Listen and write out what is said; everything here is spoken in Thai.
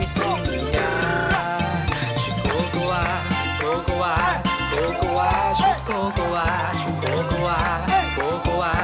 เตรียมตัวครับ